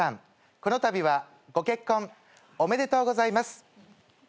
このたびはご結婚おめでとうございます。